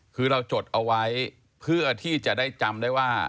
คือเราจดเอาไว้เพื่อที่จะได้จำได้ว่า